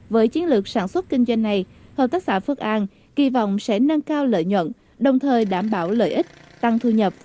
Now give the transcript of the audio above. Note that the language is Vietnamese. với chiến lược sản xuất kinh doanh này